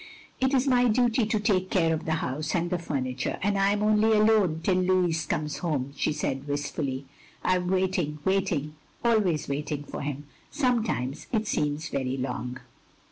" It is my duty to take care of the house, and the furniture — ^and I am only alone till Louis comes home," she said wistfully. "I am waiting — ^waiting — ^always waiting for him. Sometimes it seems very long.